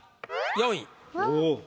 ４位。